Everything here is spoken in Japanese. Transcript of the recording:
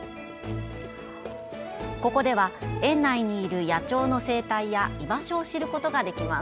ここでは、園内にいる野鳥の生態や居場所を知ることができます。